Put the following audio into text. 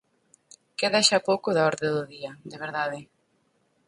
Queda xa pouco da orde do día, de verdade.